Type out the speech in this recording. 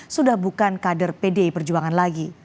sudah bukan kader pdi perjuangan lagi